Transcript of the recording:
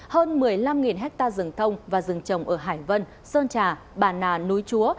hơn một mươi năm hectare rừng thông và rừng trồng ở hải vân sơn trà bà nà núi chúa